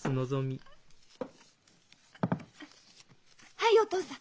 はいお父さん！